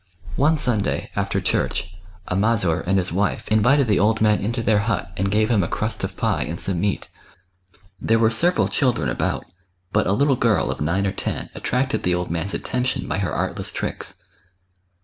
One Sunday, after church, a Mazur and his wife invited the old man into their hut and gave him a crust of pie and some meat. There were several children about, but a little girl, of nine or ten, attracted the old man's attention by her artless tricks.